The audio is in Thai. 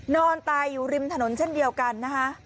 นอนตายอยู่ริมถนนเช่นเดียวกันนะคะ